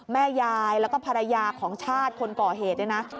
แม่ยายแล้วก็ภรรยาของชาติคนก่อเหตุเนี่ยนะ